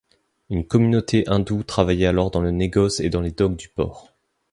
Une communauté hindoue travaillait alors dans le négoce et dans les docks du port.